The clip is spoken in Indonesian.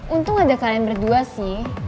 untung aja kalian berdua sih